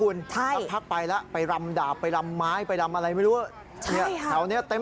เดี๋ยวพี่เตรกไหนท้อง